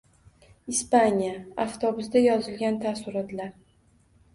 Ispaniya: avtobusda yozilgan taassurotlar